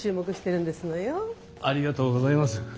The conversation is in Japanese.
ありがとうございます。